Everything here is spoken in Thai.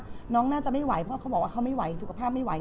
น้องน่าจะไม่ไหวเพราะเขาบอกว่าเขาไม่ไหวสุขภาพไม่ไหว